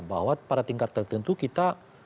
bahwa pada tingkat tertentu kita